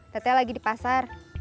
teteh lagi di pasar